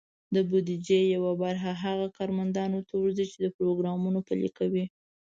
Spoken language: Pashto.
د بودیجې یوه برخه هغه کارمندانو ته ورځي، چې پروګرامونه پلي کوي.